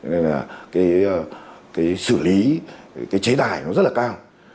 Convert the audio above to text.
nên là cái xử lý cái chế tài nó rất là cao